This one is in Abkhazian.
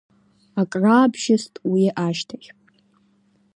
Акраабжьыст уи ашьҭахь.